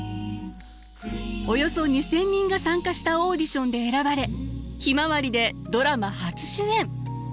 およそ２，０００人が参加したオーディションで選ばれ「ひまわり」でドラマ初主演。